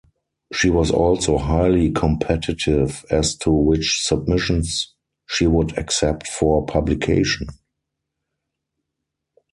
She was also highly competitive as to which submissions she would accept for publication.